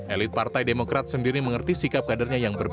elit partai demokrat sendiri mengerti sikap kadernya yang berbeda